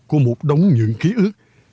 của một đống những ký ức